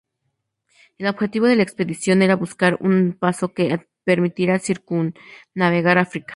El objetivo de la expedición, era buscar un paso que permitiera circunnavegar África.